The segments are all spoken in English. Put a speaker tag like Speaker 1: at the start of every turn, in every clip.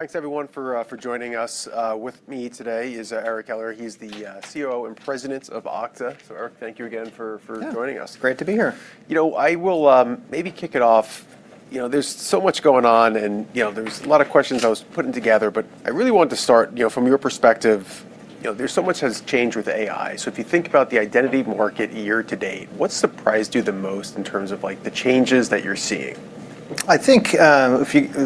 Speaker 1: Thanks everyone for joining us. With me today is Eric Kelleher. He's the COO and President of Okta. Eric, thank you again for joining us.
Speaker 2: Yeah. Great to be here.
Speaker 1: I will maybe kick it off. There's so much going on, there's a lot of questions I was putting together, I really want to start from your perspective. Much has changed with AI. If you think about the identity market year to date, what surprised you the most in terms of the changes that you're seeing?
Speaker 2: I think,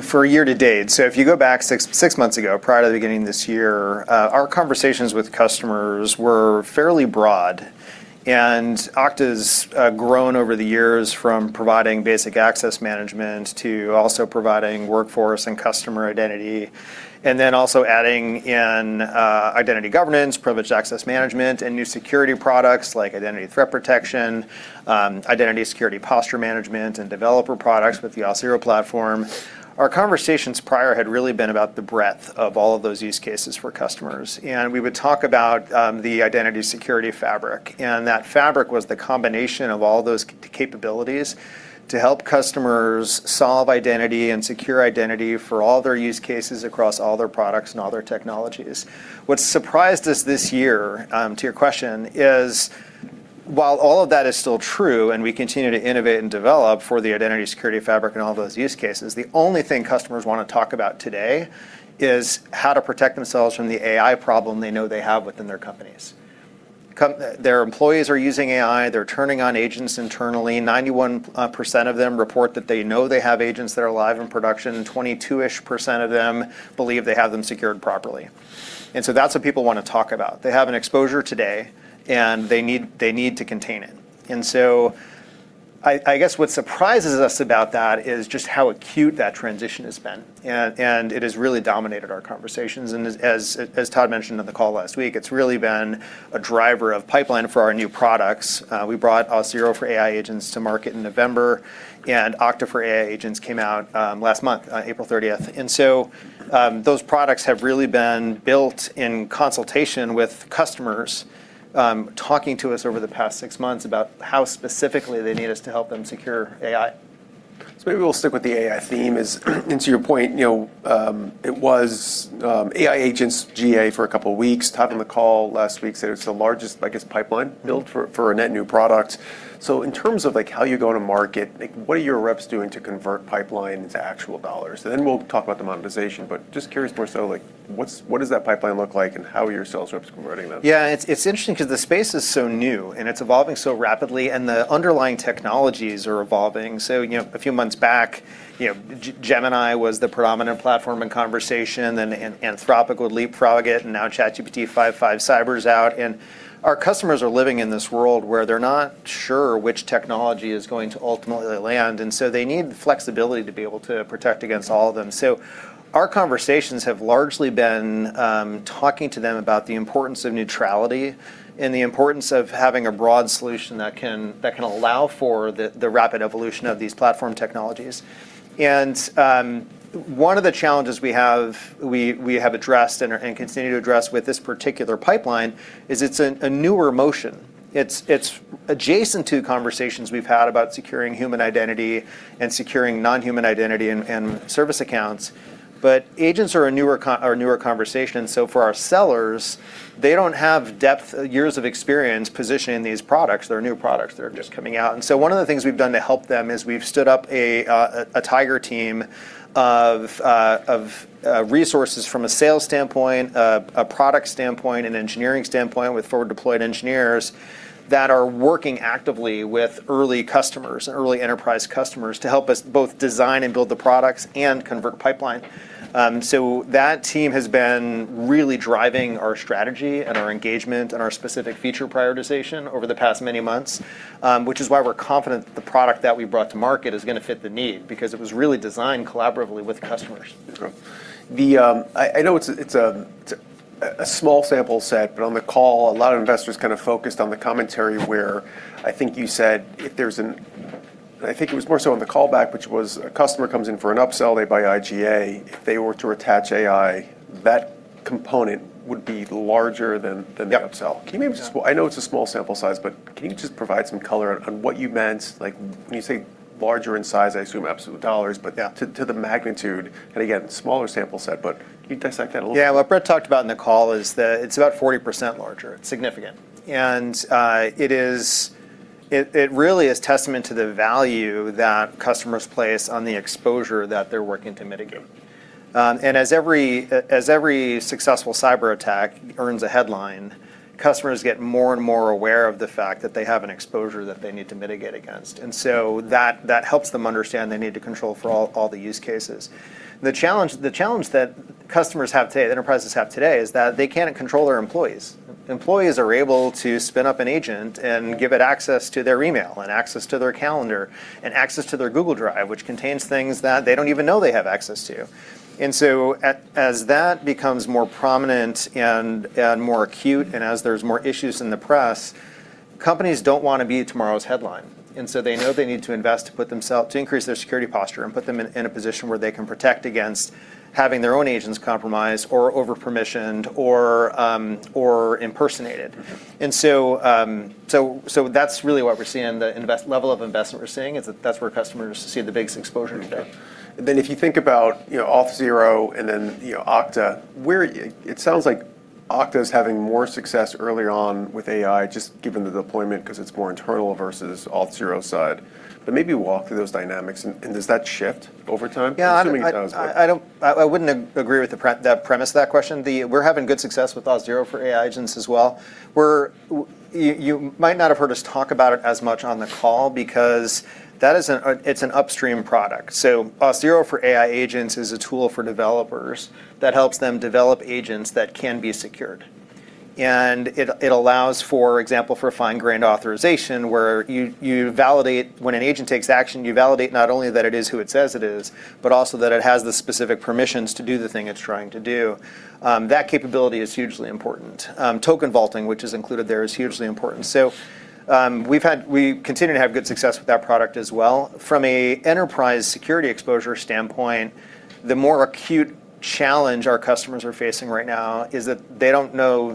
Speaker 2: for year to date, so if you go back six months ago, prior to the beginning of this year, our conversations with customers were fairly broad, and Okta's grown over the years from providing basic access management to also providing workforce and customer identity, and then also adding in Identity Governance, Privileged Access Management, and new security products like Identity Threat Protection, Identity Security Posture Management, and developer products with the Auth0 platform. Our conversations prior had really been about the breadth of all of those use cases for customers. We would talk about the identity security fabric, and that fabric was the combination of all those capabilities to help customers solve identity and secure identity for all their use cases across all their products and all their technologies. What surprised us this year, to your question, is while all of that is still true and we continue to innovate and develop for the identity security fabric and all those use cases, the only thing customers want to talk about today is how to protect themselves from the AI problem they know they have within their companies. Their employees are using AI. They're turning on agents internally. 91% of them report that they know they have agents that are live in production. 22-ish% of them believe they have them secured properly. That's what people want to talk about. They have an exposure today, and they need to contain it. I guess what surprises us about that is just how acute that transition has been, and it has really dominated our conversations. As Todd mentioned on the call last week, it's really been a driver of pipeline for our new products. We brought Auth0 for AI Agents to market in November, and Okta for AI Agents came out last month, on April 30th. Those products have really been built in consultation with customers, talking to us over the past six months about how specifically they need us to help them secure AI.
Speaker 1: Maybe we'll stick with the AI theme and to your point, it was AI agents GA for a couple of weeks. Todd, on the call last week, said it's the largest, I guess, pipeline build for a net new product. In terms of how you go to market, what are your reps doing to convert pipeline to actual dollars? We'll talk about the monetization, but just curious more so, what does that pipeline look like, and how are your sales reps converting those?
Speaker 2: Yeah, it's interesting because the space is so new, and it's evolving so rapidly, and the underlying technologies are evolving. A few months back, Gemini was the predominant platform in conversation, and then Anthropic would leapfrog it, and now ChatGPT-5.5 Cyber's out. And our customers are living in this world where they're not sure which technology is going to ultimately land, and so they need the flexibility to be able to protect against all of them. Our conversations have largely been talking to them about the importance of neutrality and the importance of having a broad solution that can allow for the rapid evolution of these platform technologies. And one of the challenges we have addressed and continue to address with this particular pipeline is it's a newer motion. It's adjacent to conversations we've had about securing human identity and securing non-human identity and service accounts, but agents are a newer conversation. For our sellers, they don't have depth, years of experience positioning these products. They're new products. They're just coming out. One of the things we've done to help them is we've stood up a tiger team of resources from a sales standpoint, a product standpoint, an engineering standpoint with forward-deployed engineers that are working actively with early customers and early enterprise customers to help us both design and build the products and convert pipeline. That team has been really driving our strategy and our engagement and our specific feature prioritization over the past many months, which is why we're confident the product that we brought to market is going to fit the need because it was really designed collaboratively with customers.
Speaker 1: Okay. I know it's a small sample set, but on the call, a lot of investors kind of focused on the commentary where I think you said I think it was more so on the callback, which was a customer comes in for an upsell, they buy IGA. If they were to attach AI, that component would be larger than the upsell. I know it's a small sample size, but can you just provide some color on what you meant? When you say larger in size, I assume absolute dollars? To the magnitude, and again, smaller sample set, but can you dissect that a little?
Speaker 2: Yeah. What Brett talked about on the call is that it's about 40% larger. It's significant. It really is testament to the value that customers place on the exposure that they're working to mitigate. As every successful cyber attack earns a headline, customers get more and more aware of the fact that they have an exposure that they need to mitigate against. That helps them understand they need to control for all the use cases. The challenge that customers have today, enterprises have today, is that they can't control their employees. Employees are able to spin up an agent and give it access to their email and access to their calendar and access to their Google Drive, which contains things that they don't even know they have access to. As that becomes more prominent and more acute, and as there's more issues in the press, companies don't want to be tomorrow's headline. They know they need to invest to increase their security posture and put them in a position where they can protect against having their own agents compromised or over-permissioned or impersonated. That's really what we're seeing. The level of investment we're seeing is that that's where customers see the biggest exposure today.
Speaker 1: If you think about Auth0 and then Okta, it sounds like Okta is having more success early on with AI, just given the deployment, because it's more internal versus Auth0 side. Maybe walk through those dynamics, and does that shift over time? I'm assuming it does.
Speaker 2: Yeah. I wouldn't agree with the premise of that question. We're having good success with Auth0 for AI Agents as well. You might not have heard us talk about it as much on the call because it's an upstream product. Auth0 for AI Agents is a tool for developers that helps them develop agents that can be secured. It allows, for example, for fine-grained authorization, where when an agent takes action, you validate not only that it is who it says it is, but also that it has the specific permissions to do the thing it's trying to do. That capability is hugely important. Token vaulting, which is included there, is hugely important. We continue to have good success with that product as well. From a enterprise security exposure standpoint, the more acute challenge our customers are facing right now is that they don't know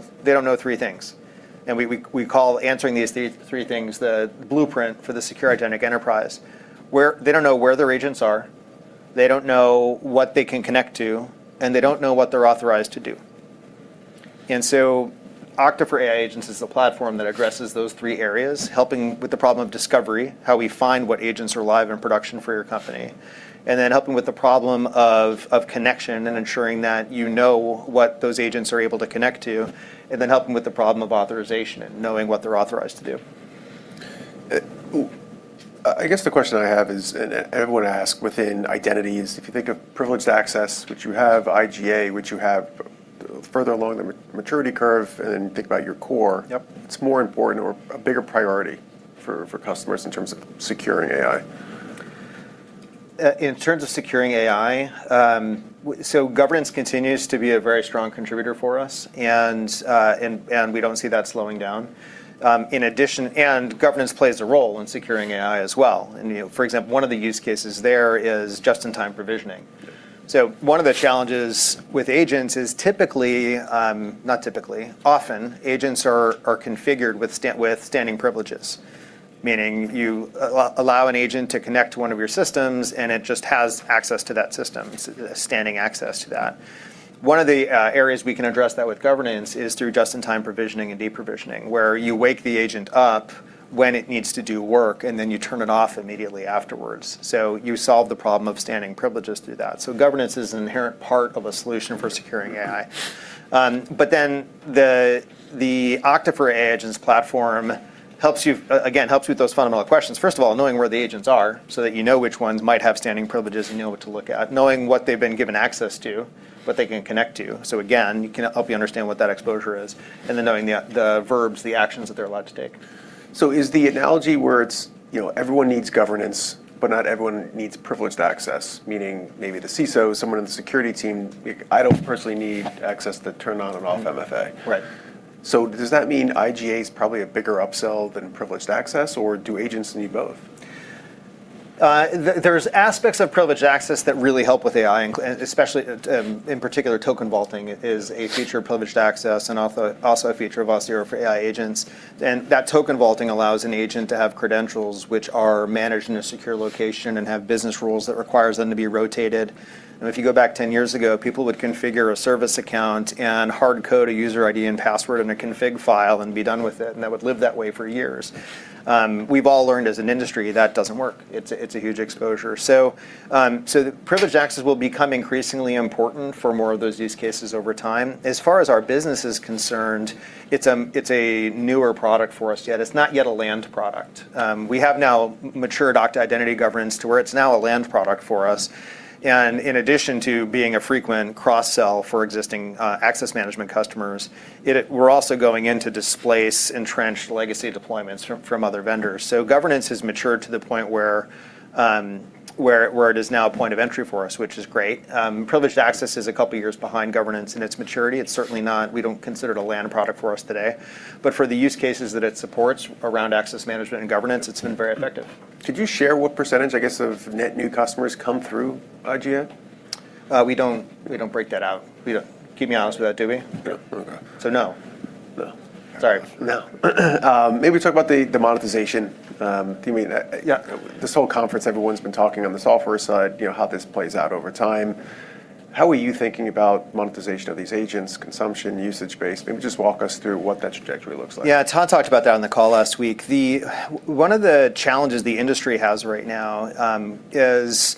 Speaker 2: three things, and we call answering these three things the blueprint for the secure agentic enterprise. They don't know where their agents are, they don't know what they can connect to, and they don't know what they're authorized to do. Okta for AI Agents is the platform that addresses those three areas, helping with the problem of discovery, how we find what agents are live in production for your company, and then helping with the problem of connection and ensuring that you know what those agents are able to connect to, and then helping with the problem of authorization and knowing what they're authorized to do.
Speaker 1: I guess the question I have is, and I would ask within identities, if you think of privileged access, which you have IGA, which you have further along the maturity curve, and then think about your core, what's more important or a bigger priority for customers in terms of securing AI?
Speaker 2: In terms of securing AI, governance continues to be a very strong contributor for us, and we don't see that slowing down. Governance plays a role in securing AI as well. For example, one of the use cases there is just-in-time provisioning. One of the challenges with agents is often agents are configured with standing privileges, meaning you allow an agent to connect to one of your systems, and it just has access to that system, standing access to that. One of the areas we can address that with governance is through just-in-time provisioning and de-provisioning, where you wake the agent up when it needs to do work, and then you turn it off immediately afterwards. You solve the problem of standing privileges through that. Governance is an inherent part of a solution for securing AI. The Okta for AI Agents platform, again, helps with those fundamental questions. First of all, knowing where the agents are so that you know which ones might have standing privileges and you know what to look at. Knowing what they've been given access to, what they can connect to. Again, it can help you understand what that exposure is. Knowing the verbs, the actions that they're allowed to take.
Speaker 1: Is the analogy where it's everyone needs governance, but not everyone needs privileged access, meaning maybe the CISO, someone in the security team. I don't personally need access to turn on and off MFA. Does that mean IGA is probably a bigger upsell than privileged access, or do agents need both?
Speaker 2: There's aspects of privileged access that really help with AI, especially, in particular, token vaulting is a feature of privileged access and also a feature of Auth0 for AI Agents. That token vaulting allows an agent to have credentials which are managed in a secure location and have business rules that requires them to be rotated. If you go back 10 years ago, people would configure a service account and hard code a user ID and password in a config file and be done with it, and that would live that way for years. We've all learned as an industry that doesn't work. It's a huge exposure. Privileged access will become increasingly important for more of those use cases over time. As far as our business is concerned, it's a newer product for us yet. It's not yet a land product. We have now matured Okta Identity Governance to where it's now a land product for us. In addition to being a frequent cross-sell for existing access management customers, we're also going in to displace entrenched legacy deployments from other vendors. Governance has matured to the point where it is now a point of entry for us, which is great. Privileged access is a couple of years behind governance in its maturity. We don't consider it a land product for us today. For the use cases that it supports around access management and governance, it's been very effective.
Speaker 1: Could you share what %, I guess, of net new customers come through IGA?
Speaker 2: We don't break that out. You keep me honest with that, do we?
Speaker 1: No. Okay.
Speaker 2: No.
Speaker 1: No.
Speaker 2: Sorry.
Speaker 1: No. Maybe talk about the monetization. This whole conference, everyone's been talking on the software side, how this plays out over time. How are you thinking about monetization of these agents, consumption, usage-based? Maybe just walk us through what that trajectory looks like.
Speaker 2: Yeah. Todd talked about that on the call last week. One of the challenges the industry has right now is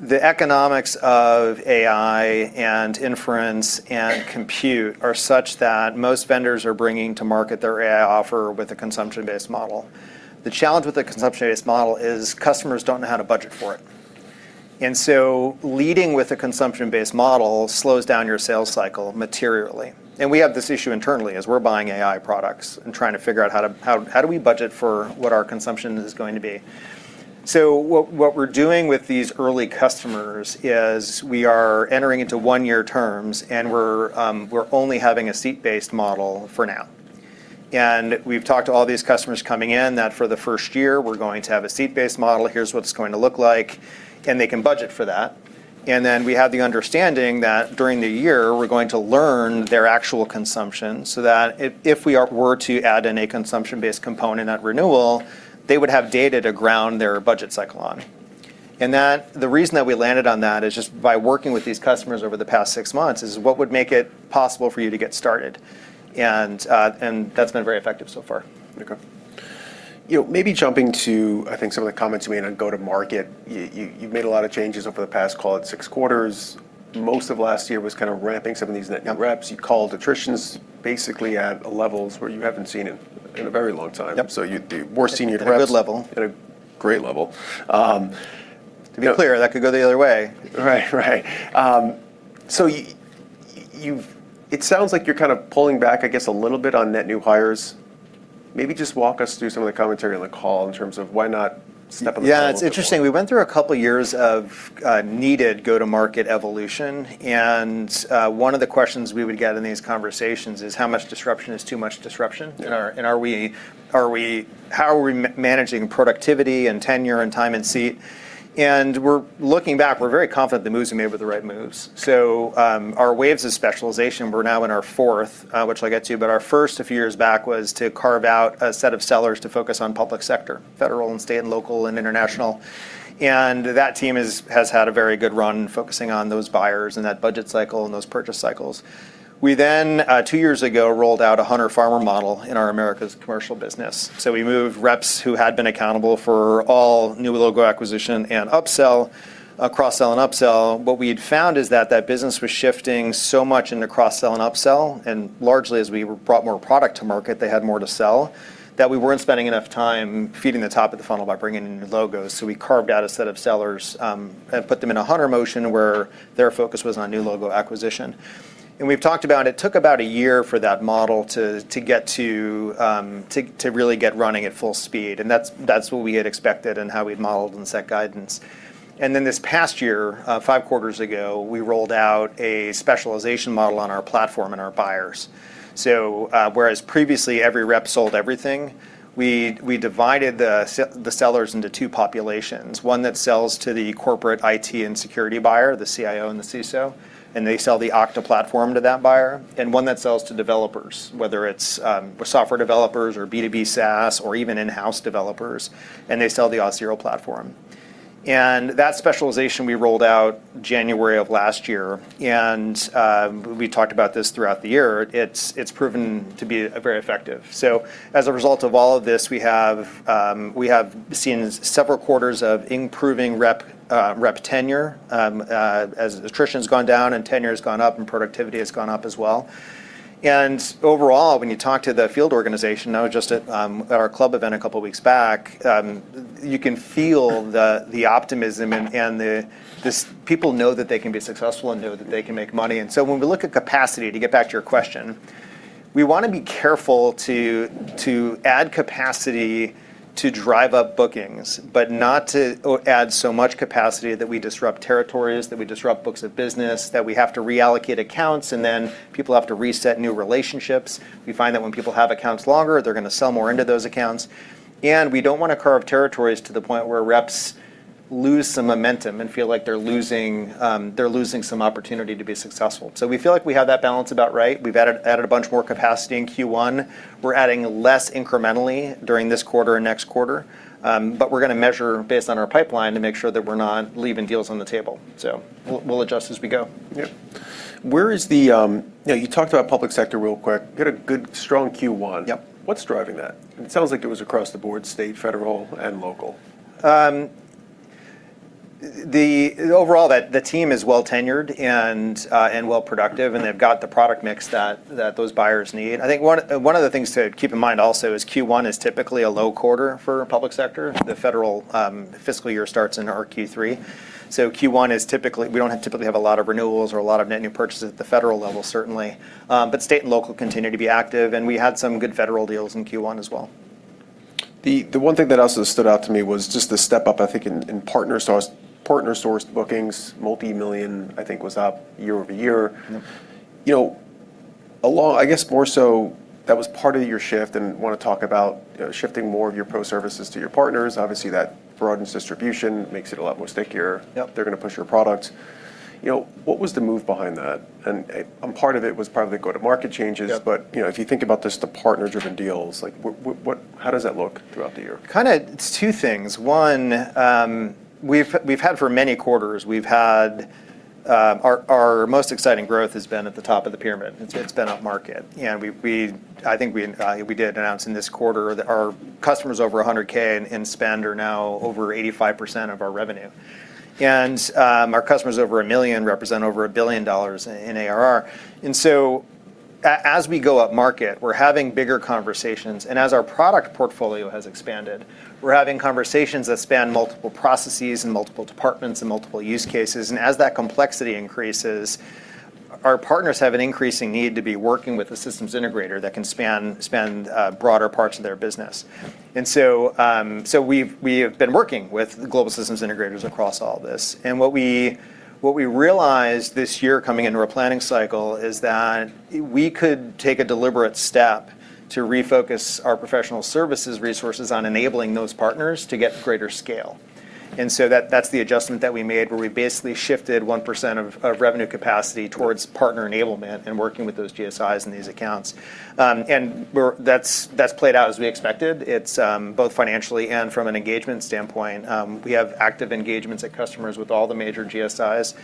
Speaker 2: the economics of AI and inference and compute are such that most vendors are bringing to market their AI offer with a consumption-based model. The challenge with the consumption-based model is customers don't know how to budget for it. Leading with a consumption-based model slows down your sales cycle materially. We have this issue internally as we're buying AI products and trying to figure out how do we budget for what our consumption is going to be. What we're doing with these early customers is we are entering into one-year terms, and we're only having a seat-based model for now. We've talked to all these customers coming in that for the first year, we're going to have a seat-based model, here's what it's going to look like, and they can budget for that. Then we have the understanding that during the year, we're going to learn their actual consumption so that if we were to add in a consumption-based component at renewal, they would have data to ground their budget cycle on. The reason that we landed on that is just by working with these customers over the past six months, is what would make it possible for you to get started. That's been very effective so far.
Speaker 1: Okay. Maybe jumping to, I think, some of the comments you made on go-to-market. You've made a lot of changes over the past, call it, six quarters. Most of last year was kind of ramping some of these net new reps. You called attritions basically at levels where you haven't seen it in a very long time the more senior reps.
Speaker 2: At a good level.
Speaker 1: At a great level.
Speaker 2: To be clear, that could go the other way.
Speaker 1: Right. It sounds like you're kind of pulling back, I guess, a little bit on net new hires. Maybe just walk us through some of the commentary on the call in terms of why not step on the gas a little bit more.
Speaker 2: Yeah, it's interesting. We went through a couple years of needed go-to-market evolution, and one of the questions we would get in these conversations is, how much disruption is too much disruption? How are we managing productivity and tenure and time in seat? We're looking back. We're very confident the moves we made were the right moves. Our waves of specialization, we're now in our fourth, which I'll get to, but our first, a few years back, was to carve out a set of sellers to focus on public sector, federal and state and local and international. That team has had a very good run focusing on those buyers and that budget cycle and those purchase cycles. Two years ago, rolled out a hunter/farmer model in our Americas commercial business. We moved reps who had been accountable for all new logo acquisition and upsell, cross-sell and upsell. What we had found is that that business was shifting so much into cross-sell and upsell, and largely as we brought more product to market, they had more to sell, that we weren't spending enough time feeding the top of the funnel by bringing in new logos. We carved out a set of sellers, and put them in a hunter motion, where their focus was on new logo acquisition. We've talked about, it took about a year for that model to really get running at full speed. That's what we had expected and how we'd modeled and set guidance. This past year, five quarters ago, we rolled out a specialization model on our platform and our buyers. Whereas previously every rep sold everything, we divided the sellers into two populations, one that sells to the corporate IT and security buyer, the CIO and the CISO, and they sell the Okta platform to that buyer, and one that sells to developers, whether it's software developers or B2B SaaS or even in-house developers, and they sell the Auth0 platform. That specialization we rolled out January of last year, and we talked about this throughout the year. It's proven to be very effective. As a result of all of this, we have seen several quarters of improving rep tenure, as attrition's gone down and tenure's gone up and productivity has gone up as well. Overall, when you talk to the field organization, I was just at our club event a couple of weeks back, you can feel the optimism. People know that they can be successful and know that they can make money. When we look at capacity, to get back to your question, we want to be careful to add capacity to drive up bookings, but not to add so much capacity that we disrupt territories, that we disrupt books of business, that we have to reallocate accounts, and then people have to reset new relationships. We find that when people have accounts longer, they're going to sell more into those accounts. We don't want to carve territories to the point where reps lose some momentum and feel like they're losing some opportunity to be successful. We feel like we have that balance about right. We've added a bunch more capacity in Q1. We're adding less incrementally during this quarter and next quarter. We're going to measure based on our pipeline to make sure that we're not leaving deals on the table. We'll adjust as we go.
Speaker 1: Yep. You talked about public sector real quick. You had a good, strong Q1. What's driving that? It sounds like it was across the board, state, federal, and local.
Speaker 2: Overall, the team is well tenured and well productive, and they've got the product mix that those buyers need. I think one of the things to keep in mind also is Q1 is typically a low quarter for public sector. The federal fiscal year starts in our Q3. Q1 is typically, we don't typically have a lot of renewals or a lot of net new purchases at the federal level, certainly. State and local continue to be active, and we had some good federal deals in Q1 as well.
Speaker 1: The one thing that also stood out to me was just the step-up, I think, in partner-sourced bookings. Multimillion, I think, was up year-over-year. I guess more so that was part of your shift, and want to talk about shifting more of your pro services to your partners. Obviously, that broadens distribution, makes it a lot more stickier. They're going to push your product. What was the move behind that? Part of it was probably the go-to-market changes. If you think about just the partner-driven deals, how does that look throughout the year?
Speaker 2: It's two things. One, we've had for many quarters, our most exciting growth has been at the top of the pyramid. It's been up market. I think we did announce in this quarter that our customers over $100K in spend are now over 85% of our revenue. Our customers over $1 million represent over $1 billion in ARR. As we go upmarket, we're having bigger conversations, and as our product portfolio has expanded, we're having conversations that span multiple processes and multiple departments and multiple use cases. As that complexity increases. Our partners have an increasing need to be working with a Global System Integrator that can span broader parts of their business. We have been working with Global System Integrators across all this. What we realized this year coming into our planning cycle is that we could take a deliberate step to refocus our professional services resources on enabling those partners to get greater scale. That's the adjustment that we made, where we basically shifted 1% of revenue capacity towards partner enablement and working with those GSIs and these accounts. That's played out as we expected. It's both financially and from an engagement standpoint. We have active engagements at customers with all the major GSIs,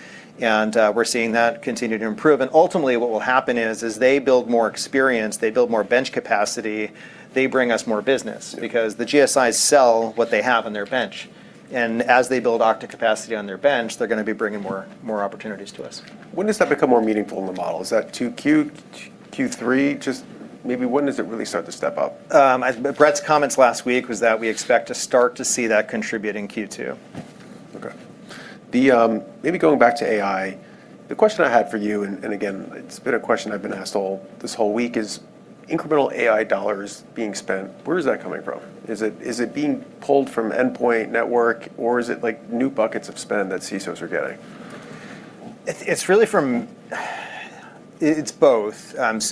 Speaker 2: and we're seeing that continue to improve. Ultimately what will happen is, as they build more experience, they build more bench capacity, they bring us more business. Because the GSIs sell what they have on their bench, and as they build Okta capacity on their bench, they're going to be bringing more opportunities to us.
Speaker 1: When does that become more meaningful in the model? Is that 2Q, Q3? Just maybe when does it really start to step up?
Speaker 2: Brett's comments last week was that we expect to start to see that contribute in Q2.
Speaker 1: Okay. Maybe going back to AI, the question I had for you, and again, it's been a question I've been asked this whole week, is incremental AI dollars being spent, where is that coming from? Is it being pulled from endpoint network, or is it new buckets of spend that CISOs are getting?
Speaker 2: It's both. It's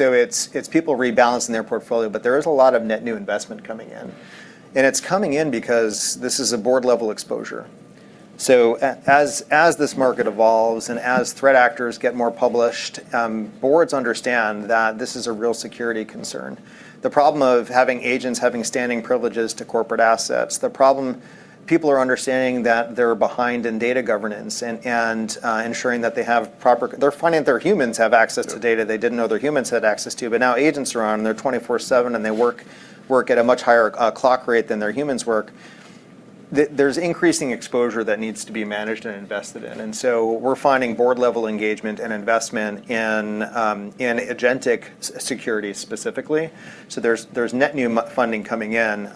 Speaker 2: people rebalancing their portfolio, but there is a lot of net new investment coming in. It's coming in because this is a board-level exposure. As this market evolves and as threat actors get more published, boards understand that this is a real security concern. The problem of having agents having standing privileges to corporate assets, the problem people are understanding that they're behind in data governance and ensuring that they're finding their humans have access to data they didn't know their humans had access to, but now agents are on, and they're 24/7, and they work at a much higher clock rate than their humans work. There's increasing exposure that needs to be managed and invested in. We're finding board-level engagement and investment in agentic security specifically. There's net new funding coming in.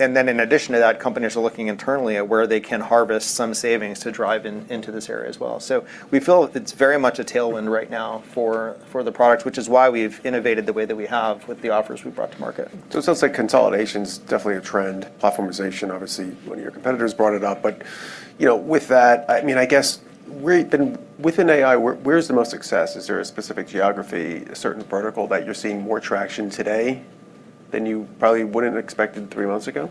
Speaker 2: In addition to that, companies are looking internally at where they can harvest some savings to drive into this area as well. We feel it's very much a tailwind right now for the product, which is why we've innovated the way that we have with the offers we've brought to market.
Speaker 1: It sounds like consolidation's definitely a trend. Platformization, obviously, one of your competitors brought it up. Within AI, where's the most success? Is there a specific geography, a certain vertical that you're seeing more traction today than you probably would've expected three months ago?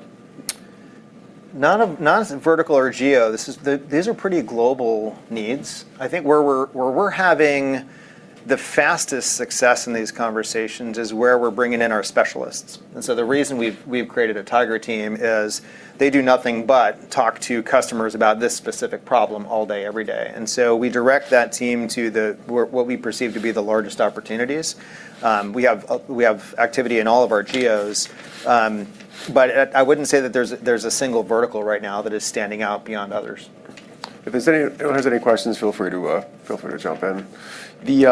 Speaker 2: Not as in vertical or geo. These are pretty global needs. I think where we're having the fastest success in these conversations is where we're bringing in our specialists. The reason we've created a tiger team is they do nothing but talk to customers about this specific problem all day, every day. We direct that team to what we perceive to be the largest opportunities. We have activity in all of our geos. I wouldn't say that there's a single vertical right now that is standing out beyond others.
Speaker 1: If anyone has any questions, feel free to jump in. Maybe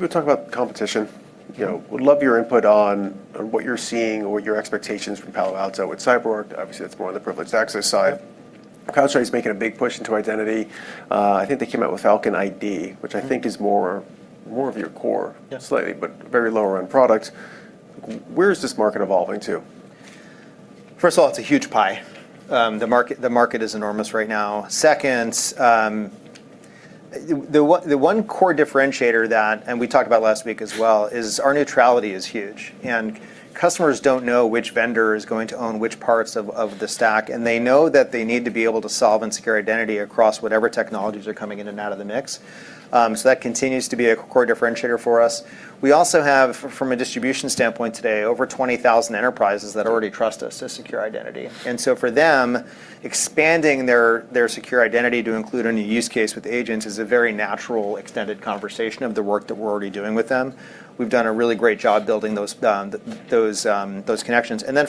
Speaker 1: we'll talk about competition. Would love your input on what you're seeing or your expectations from Palo Alto with CyberArk. Obviously, that's more on the privileged access side. CrowdStrike's making a big push into identity. I think they came out with Falcon ID, which I think is more of your core. Slightly, but very lower on product. Where is this market evolving to?
Speaker 2: First of all, it's a huge pie. The market is enormous right now. Second, the one core differentiator that, and we talked about last week as well, is our neutrality is huge. Customers don't know which vendor is going to own which parts of the stack. They know that they need to be able to solve and secure identity across whatever technologies are coming in and out of the mix. That continues to be a core differentiator for us. We also have, from a distribution standpoint today, over 20,000 enterprises that already trust us to secure identity. For them, expanding their secure identity to include any use case with agents is a very natural, extended conversation of the work that we're already doing with them. We've done a really great job building those connections.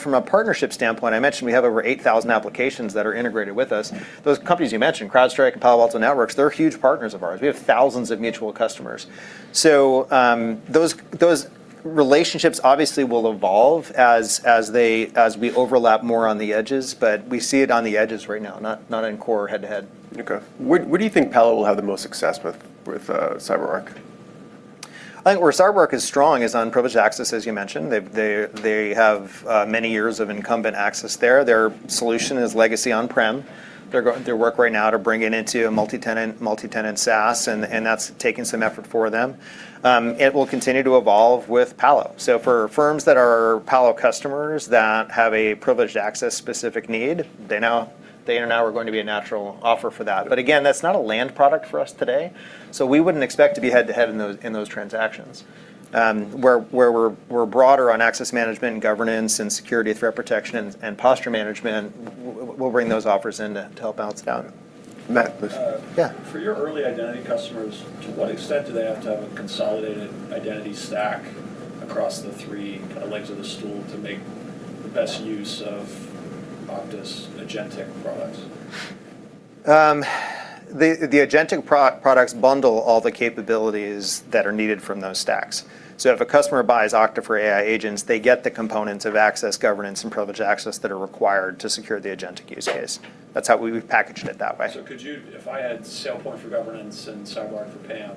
Speaker 2: From a partnership standpoint, I mentioned we have over 8,000 applications that are integrated with us. Those companies you mentioned, CrowdStrike and Palo Alto Networks, they're huge partners of ours. We have thousands of mutual customers. Those relationships obviously will evolve as we overlap more on the edges, but we see it on the edges right now, not in core head-to-head.
Speaker 1: Okay. Where do you think Palo will have the most success with CyberArk?
Speaker 2: I think where CyberArk is strong is on privileged access, as you mentioned. They have many years of incumbent access there. Their solution is legacy on-prem. They're working right now to bring it into a multi-tenant SaaS, and that's taking some effort for them. It will continue to evolve with Palo. For firms that are Palo customers that have a privileged access specific need, they know we're going to be a natural offer for that. Again, that's not a land product for us today, so we wouldn't expect to be head-to-head in those transactions. Where we're broader on access management and governance and security threat protection and posture management, we'll bring those offers in to help balance it out.
Speaker 1: Got it. Matt, please.
Speaker 3: For your early identity customers, to what extent do they have to have a consolidated identity stack across the three legs of the stool to make the best use of Okta's agentic products?
Speaker 2: The agentic products bundle all the capabilities that are needed from those stacks. If a customer buys Okta for AI Agents, they get the components of access, governance, and privileged access that are required to secure the agentic use case. That's how we've packaged it that way.
Speaker 3: If I had SailPoint for governance and CyberArk for PAM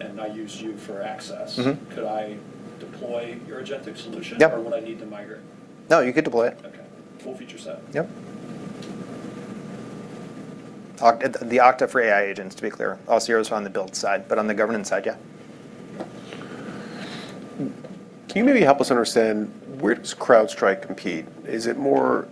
Speaker 3: and I used you for access. Could I deploy your agentic solution or would I need to migrate?
Speaker 2: No, you could deploy it.
Speaker 3: Okay. Full feature set?
Speaker 2: Yep, the Okta for AI Agents, to be clear. Auth0 is on the build side, but on the governance side, yeah.
Speaker 1: Can you maybe help us understand where does CrowdStrike compete? Is it more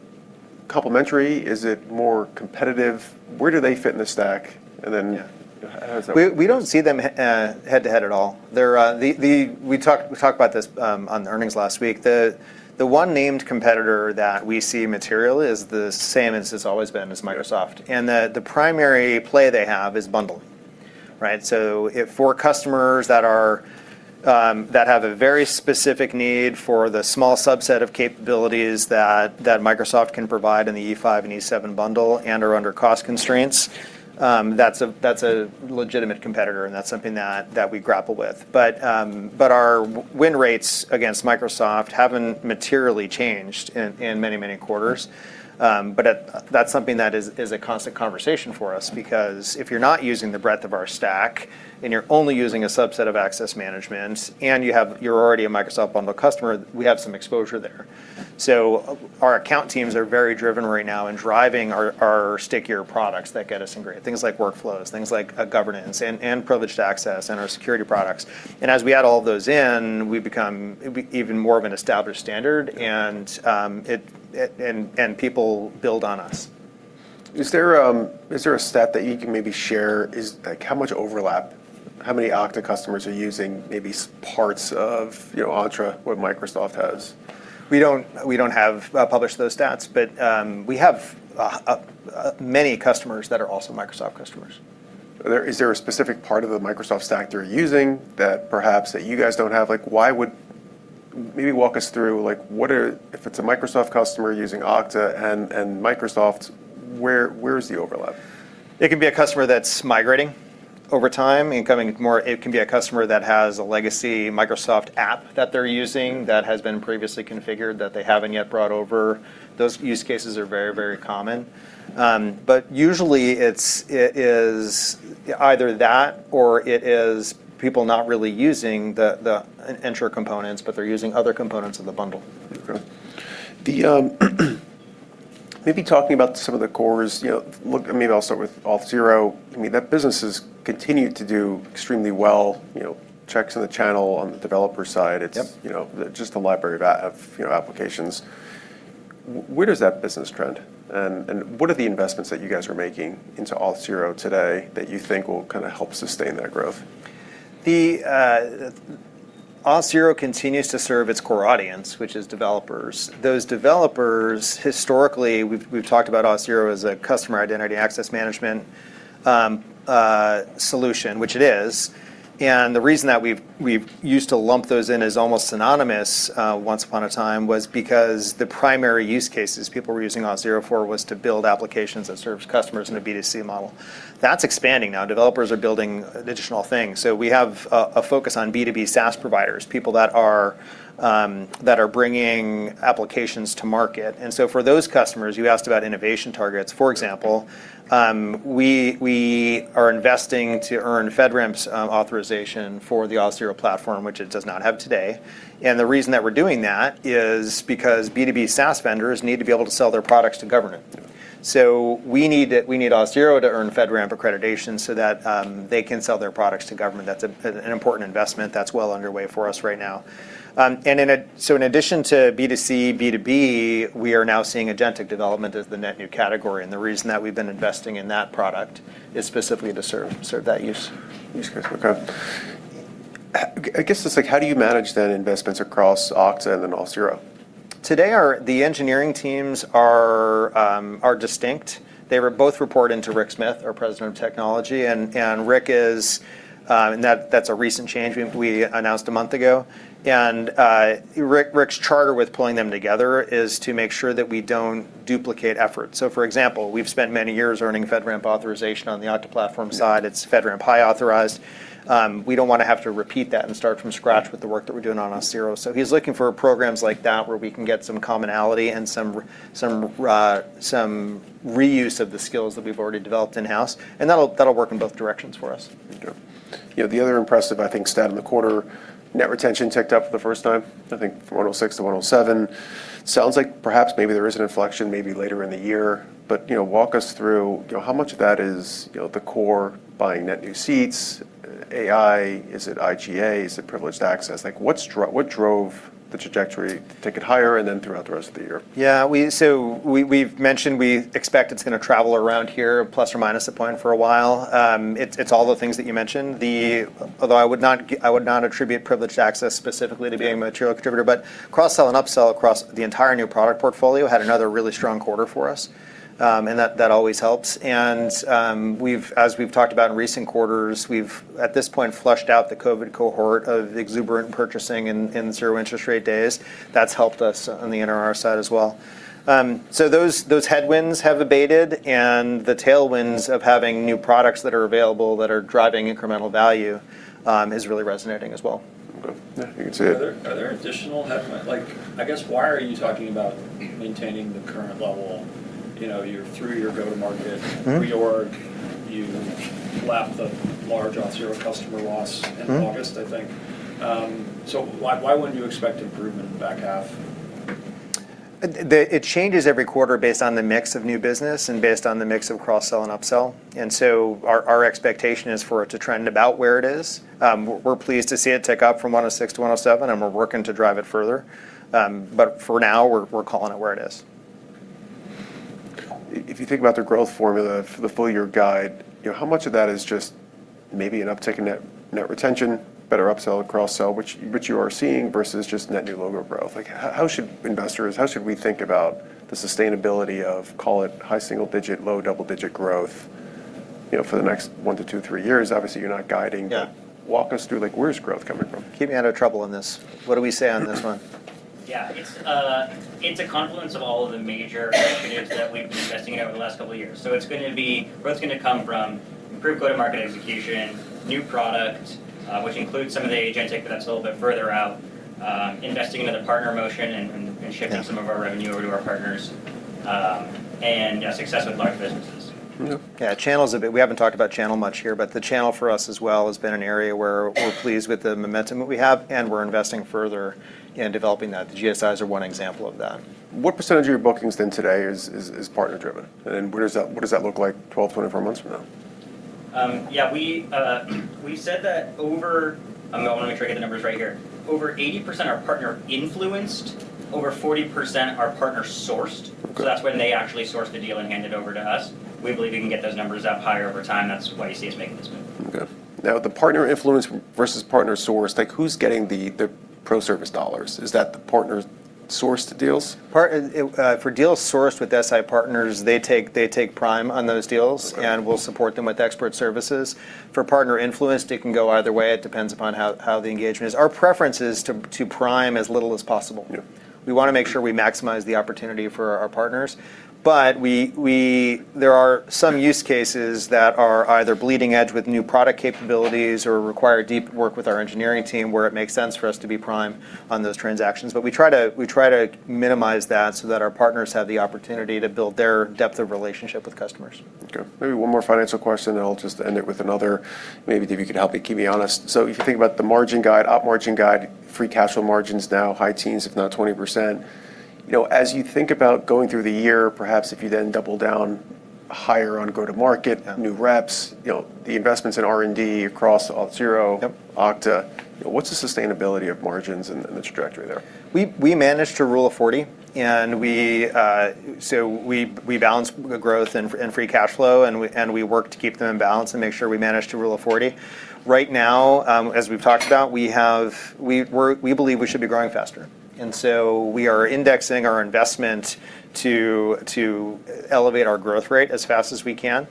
Speaker 1: complementary? Is it more competitive? Where do they fit in the stack?
Speaker 2: We don't see them head-to-head at all. We talked about this on earnings last week. The one named competitor that we see material is the same as it's always been, is Microsoft. The primary play they have is bundling. Right. For customers that have a very specific need for the small subset of capabilities that Microsoft can provide in the E5 and E7 bundle and are under cost constraints, that's a legitimate competitor, and that's something that we grapple with. Our win rates against Microsoft haven't materially changed in many quarters. That's something that is a constant conversation for us because if you're not using the breadth of our stack and you're only using a subset of access management, and you're already a Microsoft bundle customer, we have some exposure there. Our account teams are very driven right now in driving our stickier products that get us in great: Things like Workflows, things like Governance, and privileged access and our security products. As we add all of those in, we become even more of an established standard, and people build on us.
Speaker 1: Is there a stat that you can maybe share? How much overlap, how many Okta customers are using maybe parts of Entra, what Microsoft has?
Speaker 2: We don't have published those stats, but we have many customers that are also Microsoft customers.
Speaker 1: Is there a specific part of the Microsoft stack they're using that perhaps you guys don't have? Maybe walk us through, if it's a Microsoft customer using Okta and Microsoft, where is the overlap?
Speaker 2: It can be a customer that's migrating over time and coming more. It can be a customer that has a legacy Microsoft app that they're using that has been previously configured that they haven't yet brought over. Those use cases are very, very common. Usually it is either that or it is people not really using the Entra components, but they're using other components of the bundle.
Speaker 1: Okay. Maybe talking about some of the cores, maybe I'll start with Auth0. That business has continued to do extremely well, checks in the channel on the developer side. It's just a library of applications. Where does that business trend, and what are the investments that you guys are making into Auth0 today that you think will help sustain that growth?
Speaker 2: Auth0 continues to serve its core audience, which is developers. Those developers, historically, we've talked about Auth0 as a customer identity access management solution, which it is. The reason that we've used to lump those in as almost synonymous once upon a time was because the primary use cases people were using Auth0 for was to build applications that serves customers in a B2C model. That's expanding now. Developers are building additional things. We have a focus on B2B SaaS providers, people that are bringing applications to market. For those customers, you asked about innovation targets, for example. We are investing to earn FedRAMP authorization for the Auth0 platform, which it does not have today. The reason that we're doing that is because B2B SaaS vendors need to be able to sell their products to government. We need Auth0 to earn FedRAMP accreditation so that they can sell their products to government. That's an important investment. That's well underway for us right now. In addition to B2C, B2B, we are now seeing agentic development as the net new category. The reason that we've been investing in that product is specifically to serve that use case.
Speaker 1: Okay. I guess just how do you manage then investments across Okta and then Auth0?
Speaker 2: Today, the engineering teams are distinct. They both report into Ric Smith, our President of Technology, and that's a recent change we announced a month ago. Ric's charter with pulling them together is to make sure that we don't duplicate efforts. For example, we've spent many years earning FedRAMP authorization on the Okta platform side. It's FedRAMP High authorized. We don't want to have to repeat that and start from scratch with the work that we're doing on Auth0. He's looking for programs like that where we can get some commonality and some reuse of the skills that we've already developed in-house, and that'll work in both directions for us.
Speaker 1: Thank you. The other impressive, I think, stat in the quarter, net retention ticked up for the first time, I think from 106 to 107. Sounds like perhaps maybe there is an inflection maybe later in the year. Walk us through how much of that is the core buying net new seats, AI, is it IGA, is it privileged access? What drove the trajectory to take it higher and then throughout the rest of the year?
Speaker 2: Yeah. We've mentioned we expect it's going to travel around here, plus or minus a point for a while. It's all the things that you mentioned. Although I would not attribute privileged access specifically to being a material contributor, but cross-sell and upsell across the entire new product portfolio had another really strong quarter for us, and that always helps. As we've talked about in recent quarters, we've, at this point, flushed out the COVID cohort of exuberant purchasing in zero interest rate days. That's helped us on the NRR side as well. Those headwinds have abated, and the tailwinds of having new products that are available that are driving incremental value is really resonating as well. Okay. Yeah, you can see it.
Speaker 1: Are there additional head count? I guess, why are you talking about maintaining the current level? You're through your go-to-market-reorg, you lapped the large Auth0 customer loss in August, I think. Why wouldn't you expect improvement in the back half?
Speaker 2: It changes every quarter based on the mix of new business and based on the mix of cross-sell and up-sell. Our expectation is for it to trend about where it is. We're pleased to see it tick up from 106 to 107, and we're working to drive it further. For now, we're calling it where it is.
Speaker 1: If you think about the growth formula for the full-year guide, how much of that is just maybe an uptick in net retention, better up-sell or cross-sell, which you are seeing, versus just net new logo growth? How should investors, how should we think about the sustainability of, call it, high single digit, low double digit growth for the next one to two, three years? Obviously, you're not guiding. Walk us through, where is growth coming from?
Speaker 2: Keep me out of trouble on this. What do we say on this one?
Speaker 4: Yeah. It's a confluence of all of the major initiatives that we've been investing in over the last couple of years. Growth's going to come from improved go-to-market execution, new product, which includes some of the agentic, but that's a little bit further out, investing into the partner motion some of our revenue over to our partners, and success with large businesses.
Speaker 2: Yeah. We haven't talked about channel much here. The channel for us as well has been an area where we're pleased with the momentum that we have, and we're investing further in developing that. The GSIs are one example of that.
Speaker 1: What % of your bookings then today is partner driven? What does that look like 12 months-24 months from now?
Speaker 4: Yeah. We said that. Let me make sure I get the numbers right here. Over 80% are partner influenced, over 40% are partner sourced. That's when they actually source the deal and hand it over to us. We believe we can get those numbers up higher over time. That's why you see us making this move.
Speaker 1: Okay. Now, the partner influence versus partner sourced, who's getting the pro service dollars? Is that the partner sourced deals?
Speaker 2: For deals sourced with SI partners, they take prime on those deals. We'll support them with expert services. For partner influenced, it can go either way. It depends upon how the engagement is. Our preference is to prime as little as possible. We want to make sure we maximize the opportunity for our partners, but there are some use cases that are either bleeding edge with new product capabilities or require deep work with our engineering team, where it makes sense for us to be prime on those transactions. We try to minimize that so that our partners have the opportunity to build their depth of relationship with customers.
Speaker 1: Okay. Maybe one more financial question, and I'll just end it with another, maybe if you could help me keep me honest. If you think about the margin guide, op margin guide, free cash flow margins now high teens, if not 20%. As you think about going through the year, perhaps if you then double down higher on go-to-market, new reps, the investments in R&D across Auth0. Okta, what's the sustainability of margins in this trajectory there?
Speaker 2: We manage to Rule of 40, and so we balance the growth and free cash flow, and we work to keep them in balance and make sure we manage to Rule of 40. Right now, as we've talked about, we believe we should be growing faster, and so we are indexing our investment to elevate our growth rate as fast as we can.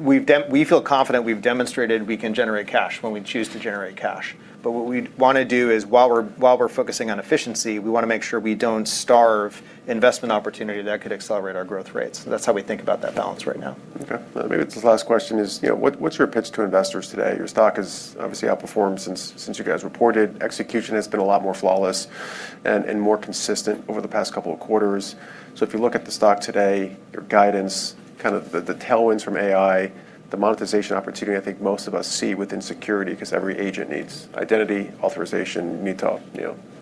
Speaker 2: We feel confident we've demonstrated we can generate cash when we choose to generate cash. What we want to do is while we're focusing on efficiency, we want to make sure we don't starve investment opportunity that could accelerate our growth rates. That's how we think about that balance right now.
Speaker 1: Okay. Maybe this last question is, what's your pitch to investors today? Your stock has obviously outperformed since you guys reported. Execution has been a lot more flawless and more consistent over the past couple of quarters. If you look at the stock today, your guidance, the tailwinds from AI, the monetization opportunity I think most of us see within security, because every agent needs identity, authorization, need to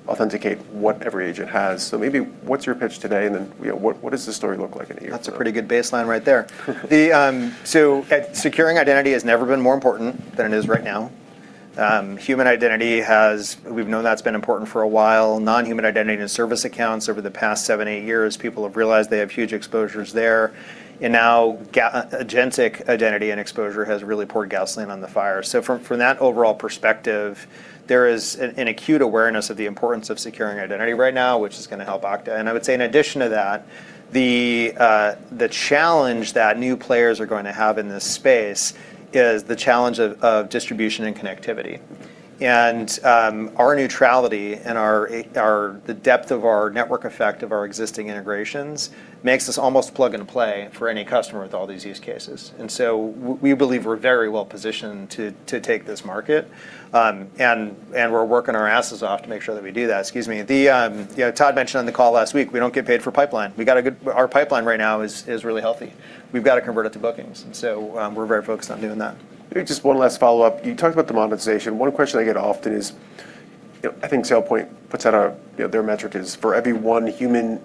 Speaker 1: authenticate what every agent has. Maybe, what's your pitch today, and then what does this story look like in a year?
Speaker 2: That's a pretty good baseline right there. Securing identity has never been more important than it is right now. Human identity, we've known that's been important for a while. Non-human identity and service accounts over the past seven, eight years, people have realized they have huge exposures there. Now agentic identity and exposure has really poured gasoline on the fire. From that overall perspective, there is an acute awareness of the importance of securing identity right now, which is going to help Okta. I would say in addition to that, the challenge that new players are going to have in this space is the challenge of distribution and connectivity. Our neutrality and the depth of our network effect of our existing integrations makes us almost plug and play for any customer with all these use cases. We believe we're very well positioned to take this market, and we're working our asses off to make sure that we do that. Excuse me. Todd mentioned on the call last week, we don't get paid for pipeline. Our pipeline right now is really healthy. We've got to convert it to bookings, and so we're very focused on doing that.
Speaker 1: Just one last follow-up. You talked about the monetization. One question I get often is, I think SailPoint puts out, their metric is for every one human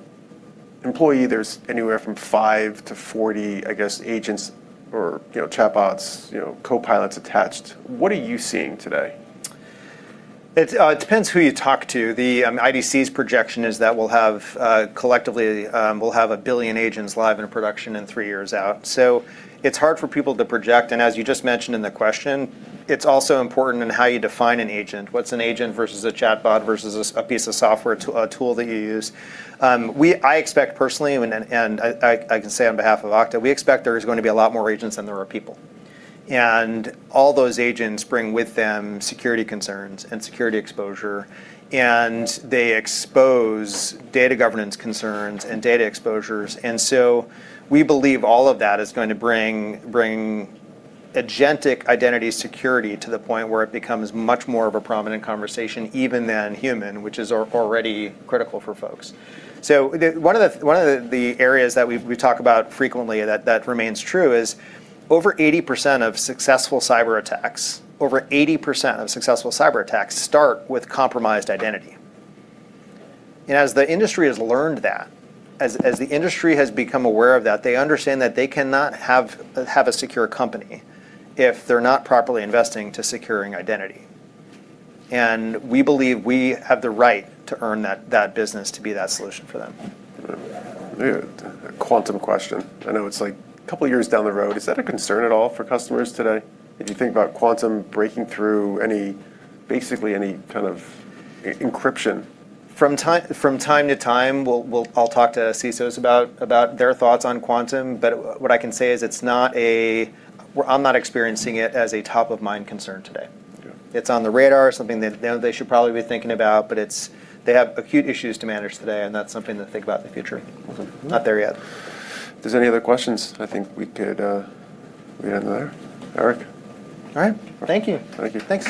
Speaker 1: employee, there's anywhere from five to 40, I guess, agents or chatbots, copilots attached. What are you seeing today?
Speaker 2: It depends who you talk to. The IDC's projection is that collectively, we'll have 1 billion agents live in production in three years out. It's hard for people to project, and as you just mentioned in the question, it's also important in how you define an agent. What's an agent versus a chatbot versus a piece of software tool that you use? I expect personally, and I can say on behalf of Okta, we expect there is going to be a lot more agents than there are people. All those agents bring with them security concerns and security exposure, and they expose data governance concerns and data exposures. We believe all of that is going to bring agentic identity security to the point where it becomes much more of a prominent conversation even than human, which is already critical for folks. One of the areas that we talk about frequently that remains true is over 80% of successful cyberattacks, over 80% of successful cyberattacks start with compromised identity. As the industry has learned that, as the industry has become aware of that, they understand that they cannot have a secure company if they're not properly investing to securing identity. We believe we have the right to earn that business to be that solution for them.
Speaker 1: Quantum question. I know it's a couple of years down the road. Is that a concern at all for customers today if you think about quantum breaking through basically any kind of encryption?
Speaker 2: From time to time, I'll talk to CISOs about their thoughts on quantum. What I can say is I'm not experiencing it as a top of mind concern today. It's on the radar, something that they should probably be thinking about. They have acute issues to manage today, and that's something to think about in the future. Not there yet.
Speaker 1: If there's any other questions, I think we end there? Eric?
Speaker 2: All right. Thank you.
Speaker 1: Thank you.
Speaker 2: Thanks.